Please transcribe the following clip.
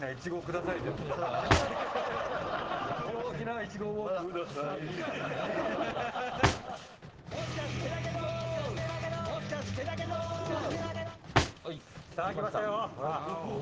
さあ、きましたよ！